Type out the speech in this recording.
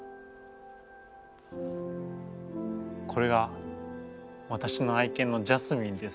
これがわたしの愛犬のジャスミンです。